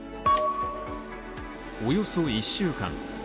およそ１週間。